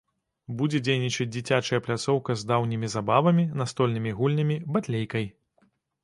Будзе дзейнічаць дзіцячая пляцоўка з даўнімі забавамі, настольнымі гульнямі, батлейкай.